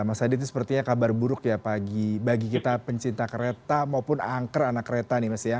mas adit sepertinya kabar buruk ya pagi bagi kita pencinta kereta maupun angker anak kereta